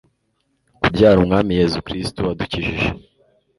kubyara umwami, yezu kristu wadukijije